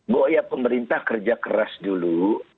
bahwa ya pemerintah kerja keras dulu